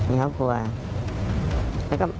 มีครอบครัว